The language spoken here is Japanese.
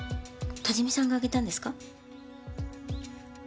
多治見さんがあげたんですか？